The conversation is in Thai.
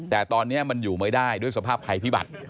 แต่ตอนนี้มันอยู่ไม่ได้ด้วยสภาพภัยพิบัติ